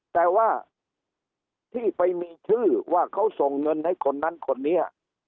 แต่ว่าที่ไปมีชื่อว่าเขาส่งเงินให้คนนั้นคนนี้